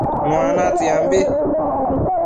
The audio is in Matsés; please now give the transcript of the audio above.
Nua natsiambi